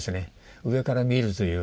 上から見るという。